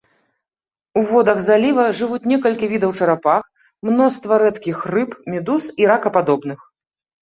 У водах заліва жывуць некалькі відаў чарапах, мноства рэдкіх рыб, медуз і ракападобных.